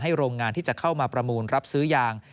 โรงงานที่จะเข้ามาประมูลรับซื้อยาง